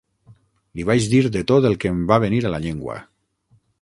Li vaig dir de tot el que em va venir a la llengua.